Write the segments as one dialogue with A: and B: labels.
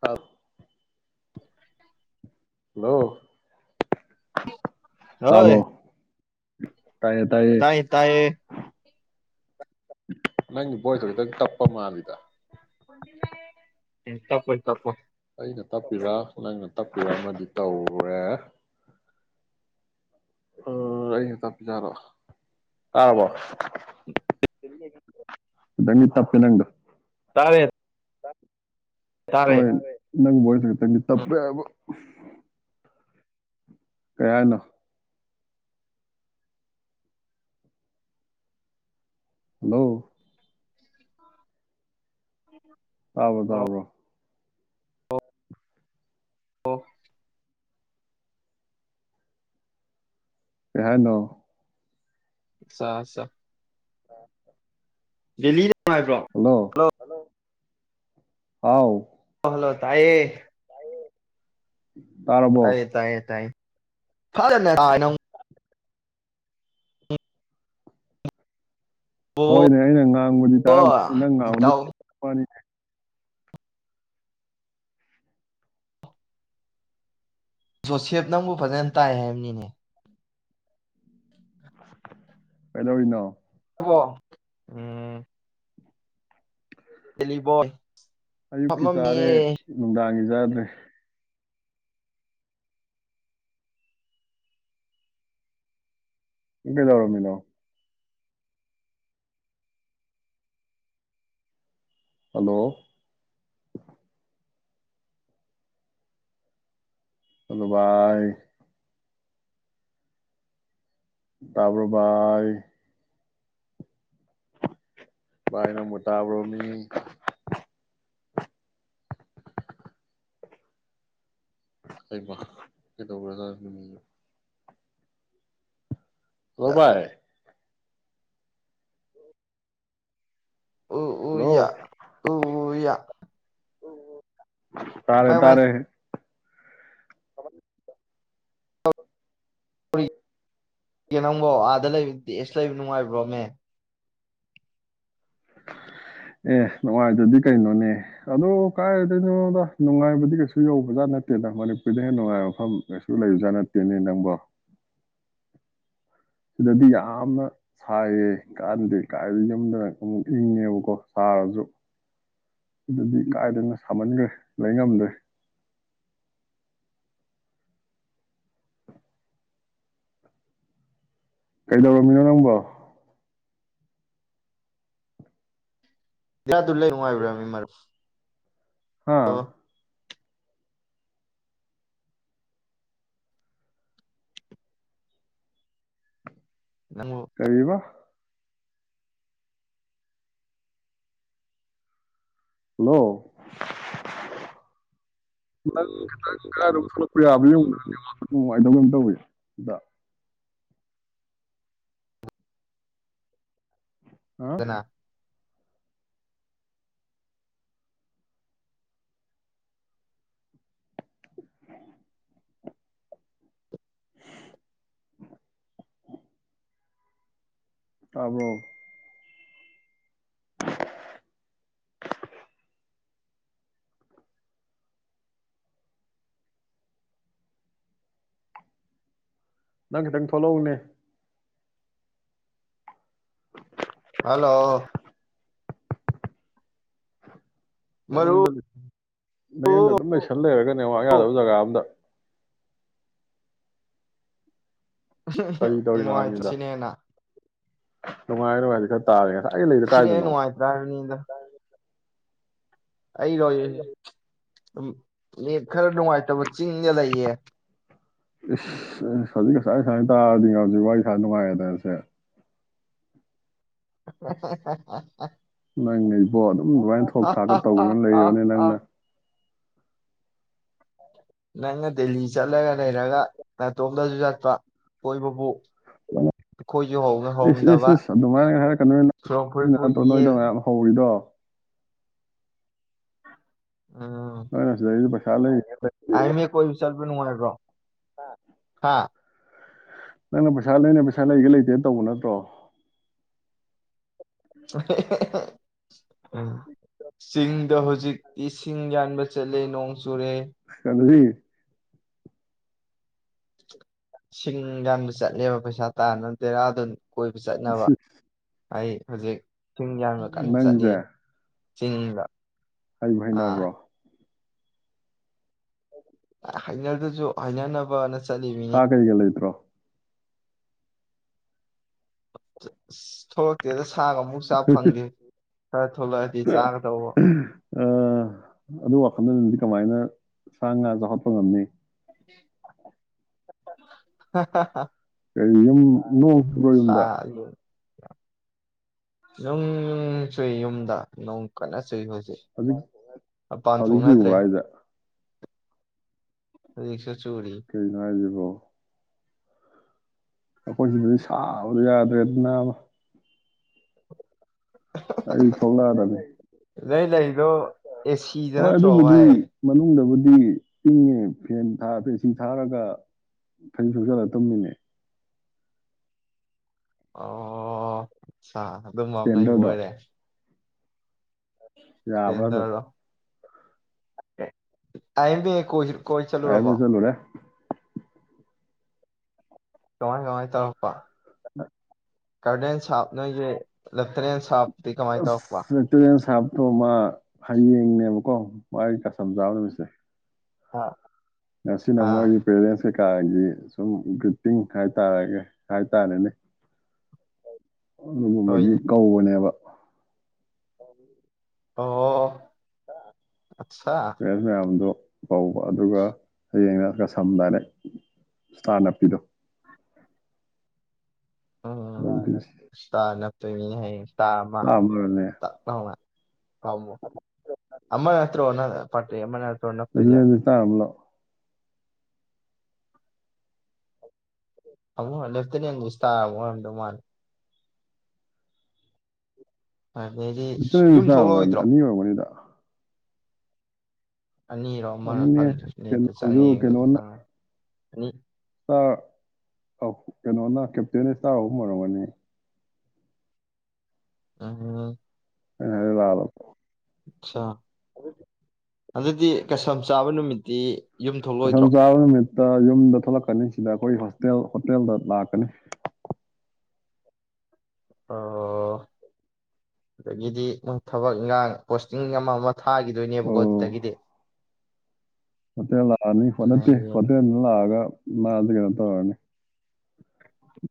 A: ꯍꯥꯎ ꯅ
B: ꯍꯣꯏ
A: ꯇꯥꯕ꯭ꯔꯣ [inaudible]
B: ꯇꯥꯏ ꯇꯥꯏꯌꯦ
A: ꯅꯪ ꯣꯣꯏꯁ ꯍꯗ ꯇꯄ ꯃꯥꯗꯗ
B: ꯇꯄ ꯇꯞ
A: ꯅꯪꯅ ꯇꯥꯛꯄꯤꯔꯥ ꯅꯪꯅ ꯇꯥꯛꯄꯤꯔ ꯑꯃꯗꯤ ꯇꯧꯔꯦ ꯎꯝ ꯑꯩꯅ ꯇꯄꯤ ꯆꯔꯣ ꯑꯥꯕꯣ
B: [inaudible]
A: ꯪꯗꯒꯤ ꯇꯄꯤ ꯅꯒ
B: ꯇꯥꯔꯦ
A: ꯑ
B: ꯇꯥꯔꯦ
A: ꯍꯣꯏ ꯅꯪ ꯑꯣꯏꯣꯗꯤ
B: ꯎꯝ
A: ꯇꯄꯦꯕ ꯀꯌꯥꯅ ꯍꯜꯂꯣ ꯇꯥꯕꯔꯣ
B: ꯑꯣ
A: ꯇꯕꯔꯣ
B: ꯑꯣ
A: ꯀꯅꯣ
B: ꯁꯥꯁ
A: ꯑ
B: ꯗꯂꯤꯗ ꯉꯥꯏꯕ꯭ꯔꯣ ꯍꯜꯂꯣ
A: ꯑꯥꯎ
B: ꯍ ꯍꯜꯂꯣ ꯇꯥꯏꯌꯦ
A: ꯇꯥꯔꯕꯣ
B: ꯇꯥꯏꯌꯦ ꯇꯥꯏꯌꯦ ꯇꯥꯏꯌꯦ ꯐꯅ
A: ꯍꯣꯏꯅꯦ ꯑꯩꯅ ꯉꯥꯡꯕꯗꯤ ꯇꯥꯔꯛꯄ ꯅꯪ ꯉꯥꯡꯕꯗꯨ
B: ꯏꯇꯥꯎ ꯖꯣꯁꯦꯞ ꯅꯪꯕꯨ ꯐꯖꯅ ꯇꯥꯏ ꯍꯥꯏꯕꯅꯤꯅꯦ
A: ꯀꯩꯂ ꯑꯣꯏꯅꯣ
B: ꯣ ꯎꯝ ꯗꯦꯜꯂꯤꯕꯣꯏ ꯍꯥꯝꯃꯝꯃꯤ
A: ꯌꯥꯗ꯭ꯔꯦ ꯕꯤꯗꯧꯔꯣꯝꯃꯤꯗꯣ ꯍꯂꯣ ꯍꯜꯂꯣ ꯕꯥꯏ ꯇꯄ ꯚꯥꯏ ꯥꯏ ꯅ ꯃꯣꯇꯥꯕꯔꯣꯅꯤ ꯀꯃ ꯀꯇ ꯣꯕꯥꯥꯏ
B: ꯎꯌꯥ
A: ꯍꯜꯂꯣ
B: ꯎꯌꯥ
A: ꯇꯥꯔꯦ
B: ꯀꯃꯥꯏ ꯀꯃꯥꯏ
A: ꯇꯥꯔꯦ ꯊ
B: ꯅꯪꯗ‌ꯣ ꯑꯥꯗ ꯂꯩꯕ ꯗ‌ꯦꯁꯇ ꯂꯩꯕ ꯅꯨꯡꯉꯥꯏꯕ꯭ꯔꯣꯃꯦ
A: ꯑꯦ ꯅꯨꯡꯉꯥꯏꯇꯔꯗꯤ ꯀꯩꯅꯣꯅꯦ ꯑꯗꯨ ꯀꯔꯥꯏꯗꯩꯅꯣꯗ ꯅꯨꯡꯉꯥꯏꯕꯗꯤ ꯀꯩꯁꯨ ꯌꯧꯕꯖꯥꯠ ꯅꯠꯇꯦꯗ ꯃꯅꯤꯄꯨꯔꯗ ꯍꯦꯟꯅ ꯅꯨꯡꯉꯥꯏꯕ ꯃꯐꯝ ꯀꯩꯁꯨ ꯂꯩꯕꯖꯥꯠ ꯅꯠꯇꯦꯅꯦ ꯅꯪꯕ‌ꯣ ꯁꯤꯗꯗꯤ ꯌꯥꯝꯅ ꯁꯥꯏꯌꯦ ꯀꯥꯟꯅꯗꯦ ꯀꯥꯏꯗ ꯌꯨꯝꯗꯅ ꯑꯃꯨꯛ ꯏꯪꯉꯦꯕꯀꯣ ꯁꯥꯔꯁꯨ ꯁꯤꯗꯗꯤ ꯀꯥꯏꯗꯒꯤ ꯁꯥꯃꯟꯈ꯭ꯔꯦ ꯂꯩꯉꯝꯗ꯭ꯔꯦ ꯀꯩꯗꯧꯔꯝꯃꯤꯅꯣ ꯅꯪꯕꯣ
B: ꯌꯥ ꯑꯗꯨꯨ ꯂꯩꯅꯨꯡꯉꯥꯏꯕꯔꯃ‌ꯦ
A: ꯍꯥꯥ
B: ꯅꯪꯕꯨ
A: ꯀꯔꯤꯕ ꯍꯜꯂꯣ ꯅꯪ ꯈꯤꯇꯪ ꯀꯗꯥꯏꯗ ꯊꯣꯛꯂꯛꯄ ꯌꯥꯗ‌ꯦꯏꯅ‌ꯣ ꯅꯨꯡꯉꯥꯏꯅ ꯇꯧ ꯀꯝ ꯇꯧꯋꯤꯗ ꯍꯥ
B: ꯆꯅ
A: ꯇꯥꯕ꯭ꯔ‌ꯣ? ꯅꯪ ꯈꯤꯇꯪ ꯊꯣꯛꯂꯛꯎꯅꯦ
B: ꯍꯜꯂꯧ ꯃꯔꯨꯞ
A: ꯅꯌꯨꯝꯗ ꯅꯌꯨꯝꯗ ꯑꯗꯨꯝ ꯂꯩꯁꯟ ꯂꯩꯔꯒ ꯅ‌ꯦꯠꯋꯥꯔꯛ ꯌꯥꯗꯕ ꯖꯒꯥ ꯑꯝꯗ
B: [unintelligible] ꯅꯨꯉꯥꯏꯇ꯭ꯔ ꯁꯤꯅ ꯍ‌ꯦꯟꯅ?
A: ꯅꯨꯡꯉꯥꯏ ꯅꯨꯡꯉꯥꯏꯔꯤ ꯈꯠ ꯇꯥꯔꯦ ꯉꯁꯥꯏ ꯂꯩꯁ‌ꯦ
B: ꯁꯤꯅ ꯍꯦꯟꯅ
A: ꯀꯥꯏꯗꯅꯣ? [unintelligible]
B: ꯅꯨꯡꯉꯥꯏꯇ꯭ꯔꯥ ꯑꯩ ꯂ‌ꯣꯏꯔꯦ ꯗꯨꯝ ꯅ‌ꯦꯠ ꯈꯔꯥ ꯅꯨꯡꯉꯥꯏꯇꯕ ꯆꯤꯡꯗ ꯂꯩꯌꯦ
A: ꯏꯁ ꯍꯧꯖꯤꯛ ꯉꯁꯥꯏ ꯁꯨꯃꯥꯏꯅ ꯇꯥꯔꯗꯤ ꯍꯧꯖꯤꯛ ꯋꯥꯔꯤ ꯁꯥꯥ ꯅꯨꯡꯉꯥꯏꯔꯦꯗꯅ ꯁꯦ
B: [unintelligible]
A: ꯅꯪꯅ ꯏꯕ‌ꯣ ꯑꯗꯨꯝ ꯑꯗꯨꯃꯥꯏꯅ ꯊ‌ꯣꯛ ꯊꯥꯛꯅ ꯇꯧꯗꯨꯅ ꯂꯩꯔꯣꯅꯦ ꯅꯪꯅ
B: ꯅꯪꯅ ꯗꯦꯜꯍꯤ ꯆꯠꯂꯒ ꯂꯩꯔꯒ ꯅꯥꯇꯣꯝꯗꯁꯨ ꯆꯠꯄ ꯀꯣꯏꯕꯕꯨ
A: [unintelligible]
B: ꯑꯩꯈꯣꯏꯁꯨ ꯍꯧꯅ
A: ꯏꯁ ꯏꯁ
B: ꯍꯧꯔꯝꯗꯕ
A: ꯏꯁ ꯑꯗꯨꯃꯥꯏꯅꯒ ꯍꯥꯏꯔꯛꯀꯅꯨ ꯍꯦ [unintelligible]
B: ꯁꯣꯔꯣꯛꯐꯨꯔꯤꯠꯄꯨ
A: ꯅꯠꯇ꯭ꯔ‌ꯣ ꯅꯣꯏꯗ
B: ꯌꯦꯜ
A: ꯃꯌꯥꯝ ꯍꯧꯔꯤꯗꯣ? ꯅꯣꯏꯅ ꯁꯤꯗꯒꯤ ꯄꯩ [unintelligible]
B: ꯑꯏ ꯑꯝ ꯑꯦ ꯀꯣꯏꯕ ꯆꯠꯄ ꯅꯨꯉꯥꯏꯕ꯭ꯔꯣ? ꯍꯥꯥ
A: ꯅꯪꯅ ꯄꯩꯁꯥ ꯅꯪꯅ ꯄꯩꯁꯥ ꯂꯩꯒꯦ ꯂꯩꯇꯦ ꯇꯧꯕ ꯅꯠꯇ꯭ꯔꯣ?
B: [unintelligible] ꯎꯝ ꯆꯤꯡꯗ ꯍꯧꯖꯤꯛ ꯏꯁꯤꯡ ꯌꯥꯟꯕ ꯆꯠꯂꯦ ꯅꯣꯡꯁ ꯆꯨꯔꯦ
A: ꯀꯔꯤ
B: ꯁꯤꯡ ꯌꯥꯟꯕ ꯆꯠꯂꯦꯕ ꯄꯩꯁꯥ ꯇꯥꯟꯕ ꯗ‌ꯦꯔꯥꯗꯨꯟ ꯀꯣꯏꯕ ꯆꯠꯅꯕ ꯑꯩ ꯍꯧꯖꯤꯛ ꯁꯤꯡ ꯌꯥꯟꯕ ꯀꯟꯅ ꯆꯠꯂꯤ꯫
A: ꯅꯪꯁꯦ
B: ꯆꯤꯡꯗ
A: ꯍꯩꯕꯨ
B: ꯑꯥ
A: ꯍꯩꯅꯕ꯭ꯔꯣ?
B: ꯍꯩꯅꯗꯁꯨ ꯍꯩꯅꯅꯕ ꯅ
A: ꯁꯥꯀꯩꯒ ꯂꯩꯇ꯭ꯔꯣ?
B: ꯑꯁ ꯊꯣꯛꯂꯛꯇꯦꯗꯥ꯫
A: [unintelligible]
B: ꯊꯣꯛꯂꯛꯑꯗꯤ ꯆꯥꯒꯗꯧꯕ
A: ꯑꯥ ꯑꯗꯨ ꯋꯥꯈꯜꯗꯗꯤ ꯀꯃꯥꯏꯅ ꯁꯥ ꯉꯥ ꯖꯨ ꯍꯞꯄꯥ ꯉꯝꯅꯤ꯫
B: [inaudible] ꯍꯥ ꯍꯥ ꯍꯥ
A: [unintelligible] ꯅꯣꯡ ꯆꯨꯕꯔꯣ ꯌꯨꯝꯗ?
B: ꯅꯨꯡ ꯅꯨꯡ ꯆꯨꯏ ꯌꯨꯝꯗ ꯅꯣꯡ ꯀꯟꯅ ꯐꯆꯩ- ꯐꯆꯩ
A: ꯍꯧꯖꯤꯛ
B: ꯃꯄꯥꯟ
A: ꯍꯧꯖꯤꯛ
B: ꯊꯣꯛꯅꯗ꯭ꯔꯦ
A: ꯆꯨꯕ꯭ꯔꯥ ꯍꯥꯏꯁꯦ
B: ꯍꯨꯖꯤꯛꯁꯨ
A: ꯀꯩꯅꯣ ꯍꯥꯏꯖꯤꯕꯣ? ꯑꯩꯈꯣꯏꯁꯤꯗꯨꯗꯤ ꯁꯕꯗꯤ ꯌꯥꯗ꯭ꯔꯦꯗꯅ ꯅꯥꯕꯥ ꯫ ꯑꯩ ꯊꯣꯛꯂꯗꯧꯅꯤ꯫
B: ꯂꯩ- ꯂꯩ꯫ ꯗꯣ ꯑꯦꯁꯤꯗꯅ
A: ꯑꯗꯨꯕꯨꯗꯤ
B: ꯚꯥꯏ꯫
A: ꯃꯅꯨꯡꯗꯕꯨꯗꯤ ꯏꯪꯉꯦ ꯐꯦꯟ ꯊꯥ ꯑ ꯁꯤ ꯊꯥꯔꯒ ꯐꯩꯖꯨꯞ ꯁꯨꯞꯆꯜꯂ ꯇꯨꯝꯃꯤꯅꯦ꯫
B: ꯑꯣ꯫ ꯁꯥ ꯑꯗꯨꯝ ꯃꯝꯅ
A: ꯏꯁꯇꯦꯟꯗꯔꯗꯣ
B: ꯂꯩꯕꯣꯏꯔꯦ꯫
A: ꯌꯥꯕ꯭ꯔꯗꯨꯝ?
B: ꯁꯄ꯭ꯂꯦꯟꯗꯔꯗꯣ [unintelligible]
A: [unintelligible]
B: ꯀꯃꯥꯏ- ꯀꯃꯥꯏ ꯇꯧꯔꯛꯄꯥ?
A: [inaudible]
B: ꯀꯔꯗꯦꯟꯁꯞꯅ ꯔꯦꯟꯁꯞꯗꯤ ꯀꯃꯥꯏ ꯇꯧꯕ
A: ꯑꯣ ꯃꯥ ꯍꯌꯦꯡꯅꯦꯕꯀꯣ ꯃꯥꯒꯤ ꯀꯁꯝ ꯆꯥꯕ ꯅꯨꯃꯤꯠꯁꯦ꯫
B: ꯍꯥ?
A: ꯉꯁꯤ ꯃꯣꯏꯒꯤ ꯄꯦꯔꯦꯟꯁ ꯀꯥꯒꯤ ꯁꯨꯝ ꯒ꯭ꯔꯤꯇꯤꯡ ꯍꯥꯏꯇꯥꯔꯒ ꯍꯥꯏꯇꯥꯔꯦꯅꯦ꯫ ꯑꯗꯨꯒꯨꯝꯕꯒꯤ
B: ꯍꯣꯏꯅꯦ
A: ꯀꯧꯕꯅꯦꯕ꯫
B: ꯑꯣ꯫ ꯑꯠꯁꯥ
A: ꯐꯦꯁꯃꯦꯌꯥꯝꯗꯣ ꯀꯧꯕ ꯑꯗꯨꯒ ꯍꯌꯦꯡꯅ ꯀꯁꯝ ꯗꯥꯏꯔꯦꯛ ꯏꯁꯇꯥꯔ ꯅꯞꯄꯤꯗꯣ꯫
B: ꯎꯝ
A: ꯏꯁꯇꯥꯔ
B: ꯁꯅ ꯇ ꯍꯥꯏꯌꯦ ꯇꯥꯃ
A: ꯑꯃꯔꯅꯦ
B: ꯑ ꯀꯃ ꯑꯃꯅ ꯅꯠꯇ꯭ꯔꯣꯅ ꯐꯥꯇ ꯑꯃꯅ ꯅꯠꯇ꯭ꯔꯣ ꯅꯛꯇꯖꯦ
A: ꯂꯦꯇꯤꯅꯦꯟ ꯏꯁꯇꯥꯔ ꯑꯃ ꯂꯥꯛꯑꯣ
B: ꯑꯃꯛ ꯂꯦꯞꯇꯅꯦꯦꯟ ꯁꯇꯥ ꯑꯃꯣꯗꯧ ꯃꯥꯅꯤ ꯑꯗꯩꯗꯤ ꯌꯨꯝ
A: ꯏꯠꯇꯅꯁ
B: ꯊꯣꯛꯂꯛꯑꯣꯏꯗ꯭ꯔꯣ
A: ꯑꯅꯤ ꯑꯣꯏꯒꯅꯤꯗ
B: ꯑꯅꯤꯔꯣ ꯑꯃꯔꯣ
A: ꯑꯅꯤꯅꯦ
B: ꯐꯪꯗ꯭ꯔꯦꯅꯦꯇ
A: ꯀꯩꯅꯣꯁꯨ
B: ꯆꯪꯉꯦ ꯌꯦꯡꯕꯁꯨ
A: ꯀꯩꯅꯣꯅ
B: ꯈꯪꯉꯦ ꯑ
A: ꯏꯁꯇꯥꯔ ꯀꯩꯅꯣꯅ ꯀꯦꯞꯇꯦꯟ ꯏꯁꯇꯥꯔ ꯑꯍꯨꯝ ꯑꯣꯏꯔꯝꯒꯅꯤ
B: ꯑ
A: ꯑ ꯂꯕ
B: ꯑꯆꯥ ꯑꯗꯨꯗꯤ ꯀꯩꯁꯝ ꯆꯥꯕ ꯅꯨꯃꯤꯠꯇꯤ ꯌꯨꯝ
A: ꯀꯩꯁꯝ
B: ꯊꯣꯛꯂꯛꯑꯣꯏꯗ꯭ꯔꯣ
A: ꯆꯥꯕ ꯅꯨꯃꯤꯠꯇ ꯌꯨꯝꯗ ꯊꯣꯛꯂꯛꯀꯅꯤ ꯁꯤꯗ ꯑꯩꯈꯣꯏ ꯍ ꯍꯣꯇꯦꯜ ꯍꯣꯇꯦꯜꯗ ꯂꯥꯛꯀꯅꯤ
B: ꯑꯣ ꯑꯗꯒꯤꯗꯤ ꯃꯣꯏ ꯊꯕꯛ ꯏꯈꯥꯡ ꯄꯣꯁꯇꯤꯡ ꯑꯃ ꯑꯃ ꯊꯥꯈꯤꯗꯣꯏꯅꯦꯕꯀꯣ ꯑꯗꯨꯗꯒꯤꯗꯤ
A: ꯐꯠꯇꯦ ꯂꯥꯛꯑꯅꯤ ꯐꯗꯠꯇꯦ
B: ꯍꯌꯦꯡ
A: ꯐꯠꯇꯅ ꯂꯥꯛꯑꯒ ꯃꯥ ꯑꯗꯨ ꯀ ꯇꯣꯏ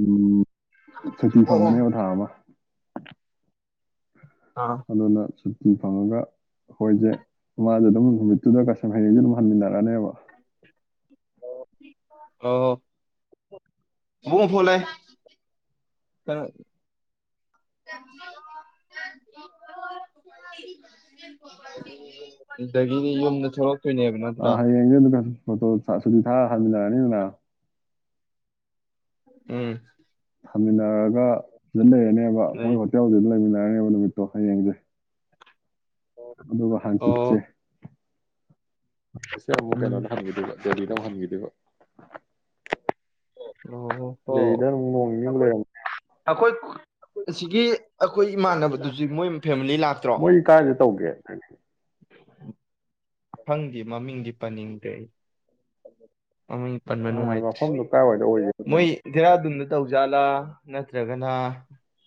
A: ꯎꯝ ꯁꯨꯇꯤ
B: ꯑꯣ ꯑꯣ
A: ꯐꯪꯒꯅꯦꯕ ꯊꯥ ꯑꯃ [unintelligible]
B: ꯑꯥ
A: ꯍꯜꯂꯣꯅ ꯐꯤ ꯐꯪꯉꯒ ꯑꯩꯈꯣꯏꯁꯦ ꯃꯥꯁꯦ ꯑꯗꯨꯝ ꯅꯨꯃꯤꯠꯇꯨꯗ ꯀꯁꯪ ꯍꯌꯦꯡꯁ ꯑꯗꯨꯝ ꯍꯟꯃꯤꯟꯅꯔꯛꯅꯦꯕ
B: ꯑꯣ ꯃꯨꯡ ꯐꯣ ꯂꯩ ꯑꯗꯒꯤꯗꯤ ꯌꯨꯝꯗ ꯊꯣꯛꯛ
A: ꯑ ꯍ ꯌꯦ ꯇ ꯀ ꯐꯣꯇꯣ ꯊꯥ ꯍ ꯂꯅꯤ ꯂꯅ
B: ꯎꯝ
A: ꯊꯝꯃꯤꯟꯅꯔꯒ ꯁꯤꯗ ꯂꯩꯔꯅꯦꯕ
B: ꯂꯩ
A: ꯍꯣꯏ ꯍꯣꯇꯦꯜꯗꯨꯅ ꯂꯩꯕꯅꯤ ꯇꯕ ꯅꯨꯃꯤꯠꯇꯣ ꯍꯌꯦꯡꯁꯦ ꯑꯣ ꯑꯗꯨꯒ
B: ꯑꯣ
A: ꯍꯥꯡꯆꯤꯠꯁꯦ [unintelligible] ꯄꯁꯦ ꯑꯃꯛ
B: ꯎꯝ
A: ꯀꯩꯅꯅ ꯁꯪꯕꯤꯗꯨꯦ ꯗꯤ ꯇꯧꯍꯟꯈꯤꯗꯕ
B: ꯑꯣ ꯍꯣ
A: ꯅꯡ ꯂꯩꯔꯝꯃꯨ
B: ꯑꯩꯈꯣꯏ ꯑꯁꯤꯒꯤ ꯑꯩꯈꯣꯏ ꯏꯃꯥꯟꯅꯕꯗꯨꯁꯨ ꯃꯣꯏ ꯐꯦꯃꯤꯂꯤ ꯂꯥꯛꯇ꯭ꯔꯣ
A: ꯃꯣꯏꯗꯤ ꯀꯥꯏꯗ ꯇꯧꯒꯦ ꯈꯪꯗꯦ
B: ꯐꯪꯗꯤ ꯃꯃꯤꯡꯗꯤ ꯄꯟꯅꯤꯡꯗꯔꯦ ꯃꯃꯤꯡ ꯄꯟꯕ ꯅꯨꯡꯉꯥꯏꯇ꯭ꯔꯦ
A: ꯃꯐꯝꯗꯣ ꯀꯥꯏꯋꯥꯏꯗ ꯑꯣꯏꯒꯦ
B: ꯃꯣꯏ ꯗꯦꯔꯥꯗꯨꯟꯗ ꯇꯧꯖꯥꯂꯥ ꯅꯠꯇ꯭ꯔꯒꯅ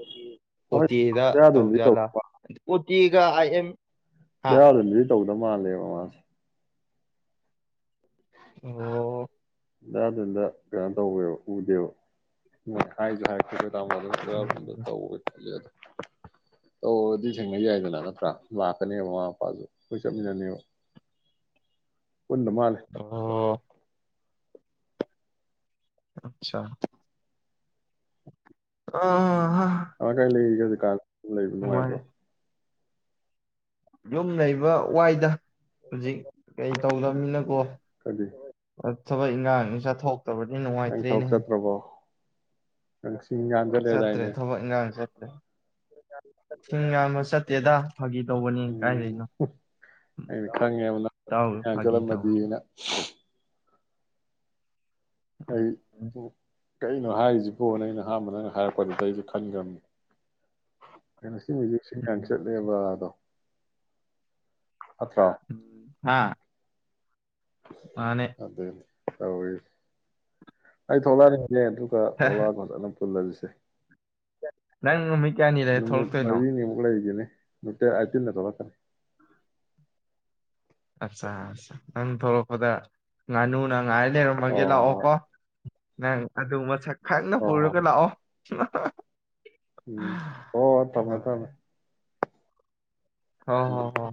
A: [inaudible]
B: ꯑꯣ ꯇꯤ ꯑꯥ ꯗꯥ
A: ꯇꯧ
B: ꯇꯧꯖꯥꯠꯂꯥ ꯇ ꯑꯥ ꯒꯥ ꯑꯥꯏ ꯑꯃ
A: ꯕꯦꯔꯥꯅꯤꯗꯨꯗꯤ ꯇꯧꯗ ꯃꯥꯜꯂꯦꯕ ꯃꯥꯁꯦ
B: ꯑꯣ
A: ꯑꯗꯨꯗ ꯀꯩꯅꯣ ꯇꯧꯕꯤꯌꯣ ꯎꯗꯦ ꯍꯥꯏꯁꯨ ꯍꯥꯏ ꯀꯔꯝꯀꯟꯗ
B: ꯎꯝ
A: ꯇꯧꯕ ꯇꯜꯂꯦ ꯑꯣꯗꯤ ꯁꯦꯡꯅ ꯌꯥꯏꯗꯅ ꯅꯠꯇ꯭ꯔꯥ ꯂꯥꯛꯀꯅꯦꯕ ꯃꯃꯥ ꯃꯄꯥꯁꯨ ꯑꯗꯨꯒꯥ ꯆꯠꯃꯤꯟꯅꯅꯤꯕ ꯄꯨꯃꯅ ꯅꯥꯜꯂꯦ
B: ꯑꯣ ꯑꯆꯥ ꯑꯣ
A: [unintelligible] ꯂꯩꯕ ꯅꯨꯡꯉꯥꯏꯕ꯭ꯔꯣ
B: ꯅꯨꯡꯉꯥꯏ ꯌꯨꯝ ꯂꯩꯕ ꯋꯥꯏꯗ ꯍꯧꯖꯤꯛ ꯀꯩ ꯇꯧꯗꯅꯤꯅꯀꯣ
A: ꯀꯔꯤ
B: ꯊꯕꯛ ꯏꯪꯈꯥꯡ ꯑꯃ ꯆꯠꯊꯣꯛ
A: ꯅꯪ ꯊꯕꯛ ꯆꯠꯇꯔꯥꯕꯣ ꯅꯁ
B: ꯆꯠꯇ꯭ꯔꯦ ꯊꯕꯛ ꯏꯟꯈꯥꯡ ꯆꯠꯇ꯭ꯔꯦ ꯁꯤꯡꯌꯥꯟꯕ ꯆꯠꯇꯦꯗ ꯐꯥꯒꯤ ꯇꯧꯕꯅꯤ
A: ꯎꯝ
B: ꯀꯥꯏꯗꯩꯅꯣ
A: ꯑꯩꯅ ꯈꯪꯉꯦꯕ ꯅꯪ
B: ꯇꯥꯎ
A: ꯆꯤꯡ ꯌꯥꯝ
B: ꯐꯥꯒꯤ ꯇꯧꯅꯤ
A: ꯆꯠꯂꯝꯃꯗꯤꯅ ꯍꯣꯏ
B: ꯎꯝ
A: ꯎꯃ ꯀꯩꯅꯣ ꯍꯥꯏꯔꯤꯁꯤꯕꯣ ꯅꯪꯅ ꯑꯍꯥꯟꯕꯅꯤꯅꯦ ꯍꯥꯏꯔꯛꯄꯗꯨꯗ ꯑꯩꯁ ꯈꯟꯈ꯭ꯔꯕꯅꯤ ꯁꯤ ꯍꯧꯖꯤꯁꯤꯡ ꯌꯥꯝ
B: ꯎꯝ
A: ꯆꯠꯂꯦꯕꯥꯗꯣ ꯑꯆꯥꯥ
B: ꯎꯝ ꯍꯥ ꯃꯥꯅꯦ
A: ꯑꯗꯨꯗ ꯐꯥꯔꯦ ꯑꯩ ꯊꯣꯛꯂꯛꯅꯤ ꯑꯦ ꯑꯗꯨꯒ
B: ꯍꯦ
A: ꯊꯣꯛꯂꯛꯑꯒ ꯑꯗꯨꯝ ꯄꯨꯟꯂꯕꯤꯁꯦ
B: ꯅꯪ ꯅꯨꯃꯤꯠ ꯀꯌꯥꯅꯤ ꯂꯩꯔꯒ ꯊꯣꯛꯂꯇꯣꯏꯅꯣ
A: ꯃꯔꯤꯅꯤꯃꯨꯛ ꯂꯩꯈꯤꯅꯤ ꯗꯦꯠ ꯑꯥꯢꯇꯤꯟꯗ ꯊꯣꯛꯂꯛꯀꯅꯤ
B: ꯑꯆꯥ ꯆꯥ ꯅꯪ ꯊꯣꯛꯂꯛꯄꯗ ꯉꯥꯅꯨꯅ ꯉꯥꯏ ꯂꯩꯔꯝꯃꯒꯦ
A: ꯍꯣꯏ
B: ꯂꯥꯛꯑꯣꯀꯣ ꯅꯪ ꯑꯗꯨ ꯃꯁ ꯈꯪꯅ
A: ꯍꯣꯏ ꯍꯣꯏ
B: ꯄꯨꯔꯒ
A: ꯍꯣꯏ
B: ꯂꯥꯛꯑꯣ
A: ꯍꯣꯏ ꯎꯝ ꯍꯣꯏ ꯍꯣꯏ ꯊꯝꯃꯦ ꯊꯝꯃꯦ
B: ꯍꯣ
A: ꯎꯝ
B: ꯍꯣ ꯍꯣ